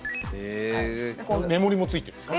目盛りも付いてるんです。